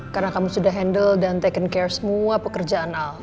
karena kamu sudah handle dan taken care semua pekerjaan al